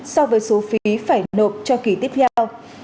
so với số phí phải nộp cho kỳ tiếp theo